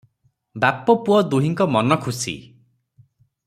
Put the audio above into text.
ବାପା ପୁଅ ଦୁହିଁଙ୍କ ମନ ଖୁସି ।